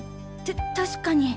た確かに。